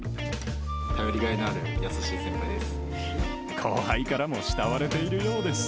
頼りがいのある優しい先輩です。